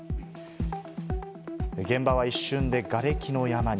現場は一瞬でがれきの山に。